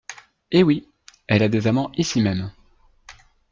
Eh oui ! elle a des amants ici même.